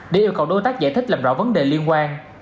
để yêu cầu đối tác giải thích làm rõ vấn đề liên quan